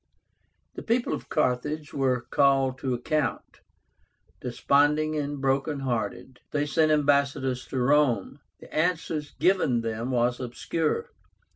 The people of Carthage were called to account. Desponding and broken hearted, they sent ambassadors to Rome. The answer given them was obscure.